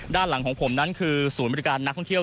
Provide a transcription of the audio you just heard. ด้านหลังของผมนั้นคือศูนย์บริการนักท่องเที่ยว